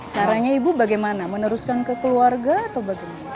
caranya ibu bagaimana meneruskan ke keluarga atau bagaimana